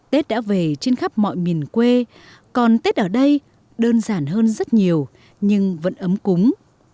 tết đã về trên khắp mọi miền quê còn tết ở đây đơn giản hơn rất nhiều nhưng vẫn ấm cúng